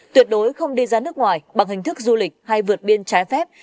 tuyệt đối không đi ra nước ngoài bằng hình thức du lịch hay vượt biên trái phép